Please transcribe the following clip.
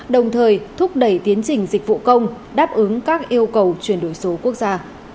đồng thời thúc đẩy tiến trình dịch vụ công đáp ứng các yêu cầu chuyển đổi số quốc gia